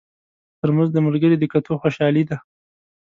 ترموز د ملګري د کتو خوشالي ده.